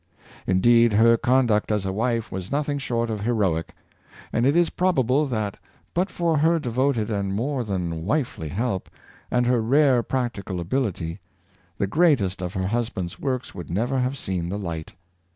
Indeed, her conduct as a wife was nothing short of heroic, and it is probable that but for her devoted and more than wifely help, and her rare practical ability, the greatest of her husband's works would never have seen the light.